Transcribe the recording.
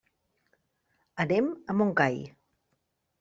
Anem a Montgai.